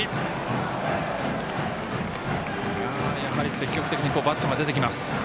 積極的にバットが出てきます。